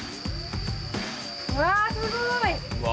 うわすごい！